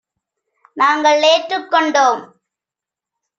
நாங்கள் ஏற்றுக் கொண்டோம்.